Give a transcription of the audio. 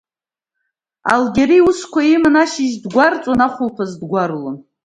Алгьари иуасақәа иманы ашьыжь дгәарҵуан, ахәылԥазы дгәарлон.